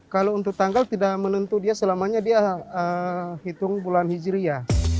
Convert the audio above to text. kalau untuk tanggal tidak menentu dia selamanya dia hitung bulan hijriah